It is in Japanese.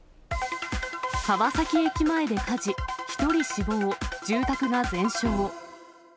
川崎駅前で火事、１人死亡、住宅が全焼。